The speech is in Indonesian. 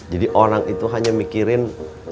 jadi orang itu hanya mikirin